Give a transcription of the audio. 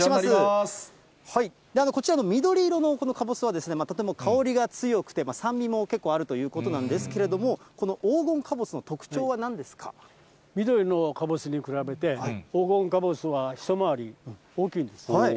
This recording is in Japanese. こちらの緑色のかぼすは、とても香りが強くて、酸味も結構あるということなんですけれども、この黄金かぼすの特徴はなんです緑のかぼすに比べて、黄金かぼすは一回り大きいんです。